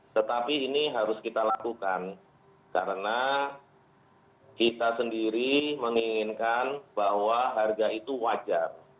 tetapi ini harus kita lakukan karena kita sendiri menginginkan bahwa harga itu wajar